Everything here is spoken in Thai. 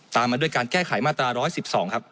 มาด้วยการแก้ไขมาตรา๑๑๒ครับ